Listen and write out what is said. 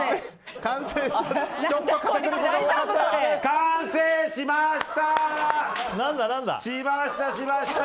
完成しました！